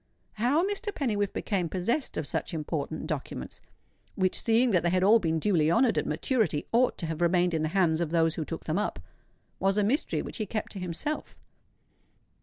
How Mr. Pennywhiffe became possessed of such important documents,—which, seeing that they had all been duly honoured at maturity, ought to have remained in the hands of those who took them up,—was a mystery which he kept to himself.